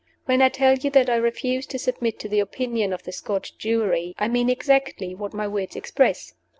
"When I tell you that I refuse to submit to the opinion of the Scotch Jury, I mean exactly what my words express.